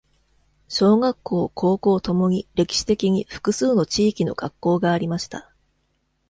小学校、高校ともに、歴史的に複数の地域の学校がありました。